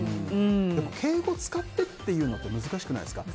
敬語使ってって言うのって難しくないですか。